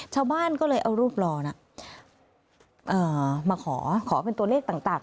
ชาวบ้านก็เลยเอารูปรอมาขอขอเป็นตัวเลขต่าง